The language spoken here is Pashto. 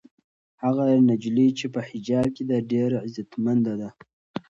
هغه نجلۍ چې په حجاب کې ده ډېره عزتمنده ده.